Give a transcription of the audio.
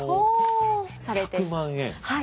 はい。